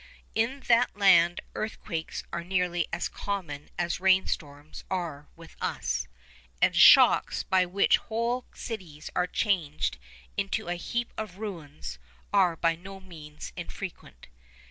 In that land earthquakes are nearly as common as rain storms are with us; and shocks by which whole cities are changed into a heap of ruins are by no means infrequent.